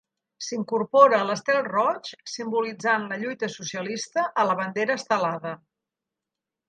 S'incorpora l'estel roig simbolitzant la lluita socialista a la bandera Estelada.